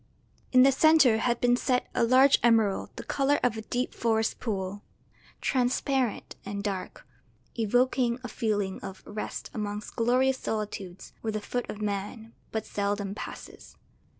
In the centre had been set a large emerald the colour of a deep forest pool, transparent and dark, evoking a feeling of rest amongst glorious solitudes where the foot of man but seldom passes.